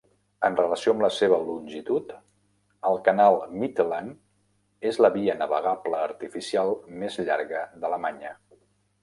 En relació amb la seva longitud, el canal Mitteland és la via navegable artificial més llarga d'Alemanya.